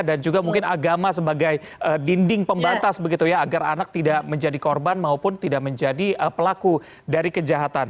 dan juga mungkin agama sebagai dinding pembatas begitu ya agar anak tidak menjadi korban maupun tidak menjadi pelaku dari kejahatan